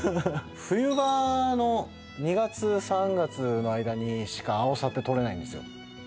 冬場の２月３月の間にしかアオサって採れないんですよえ